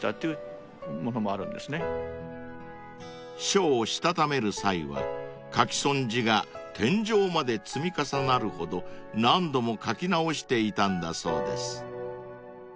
［書をしたためる際は書き損じが天井まで積み重なるほど何度も書き直していたんだそうです］